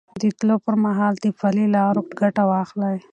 د تلو پر مهال له پلي لارو ګټه واخلئ.